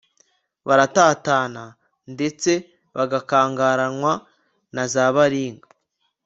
baratatana, ndetse bagakangaranywa na za baringa